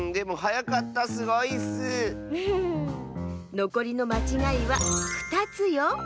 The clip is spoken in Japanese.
のこりのまちがいは２つよ！